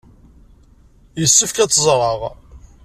Yessefk ad tt-ẓreɣ.